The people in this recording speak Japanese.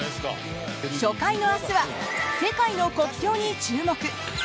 初回の明日は世界の国境に注目。